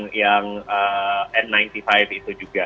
saya juga pakai masker